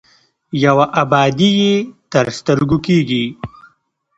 یوه ابادي یې تر سترګو کېږي.